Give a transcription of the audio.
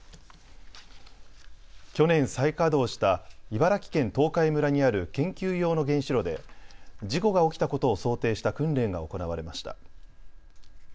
去年再稼働した茨城県東海村にある研究用の原子炉で事故が起きたことを想定した訓練が行われました。